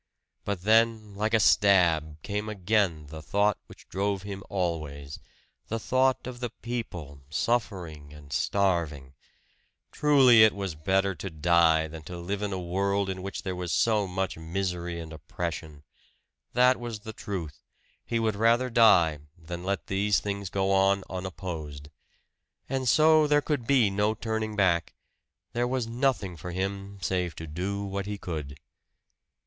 But then like a stab, came again the thought which drove him always the thought of the people, suffering and starving! Truly it was better to die than to live in a world in which there was so much misery and oppression! That was the truth, he would rather die than let these things go on unopposed. And so there could be no turning back there was nothing for him save to do what he could.